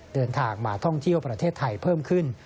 เดินทางมาท่องเที่ยวประเทศไทยเพิ่มขึ้น